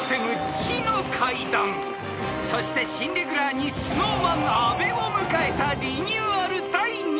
［そして新レギュラーにＳｎｏｗＭａｎ阿部を迎えたリニューアル第２戦！］